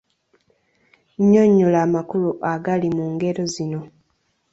Nnyonnyola amakulu agali mu ngero zino.